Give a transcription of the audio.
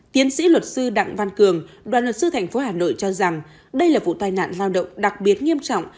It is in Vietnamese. tiến sĩ luật sư đặng văn cường đoàn luật sư tp hà nội cho rằng đây là vụ tai nạn lao động đặc biệt nghiêm trọng